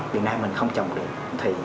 việt nam mình không trồng được thì